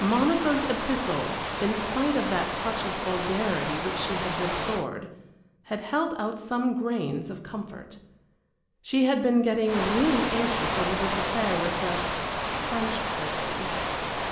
Monica's epistle, in spite of that touch of vulgarity which she had deplored, had held out some grains of comfort. She had been getting really anxious over this affair with the French person.